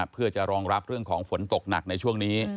เพื่อจะรองรับเรื่องของฝนตกหนักในช่วงนี้